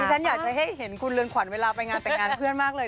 ฉันอยากจะให้เห็นคุณเรือนขวัญเวลาไปงานแต่งงานเพื่อนมากเลย